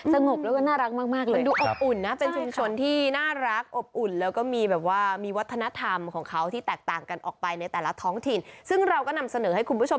แต่นี่คือการนั่งบางดูแบบอุ๊ยม